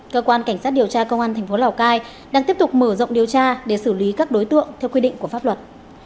cơ quan cảnh sát điều tra công an tp lào cai đang tiếp tục mở rộng điều tra để xử lý các đối tượng theo quy định của pháp luật